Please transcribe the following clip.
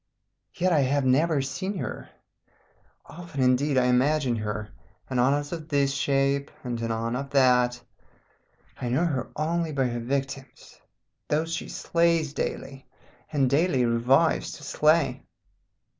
"Yet I have never seen her. Often, indeed, I imagine her, anon as of this shape, and anon of that. I know her only by her victims, those she slays daily, and daily revives to slay.